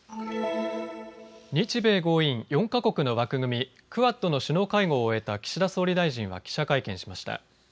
日米豪印４か国の枠組み、クアッドの首脳会合を終えた岸田総理大臣は記者会見しました。